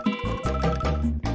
itu turut dipawainhe